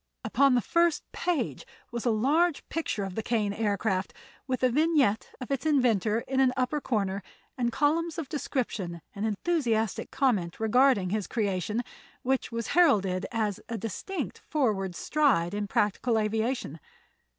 Upon the first page was a large picture of the Kane Aircraft, with a vignette of its inventor in an upper corner and columns of description and enthusiastic comment regarding his creation, which was heralded as a distinct forward stride in practical aviation.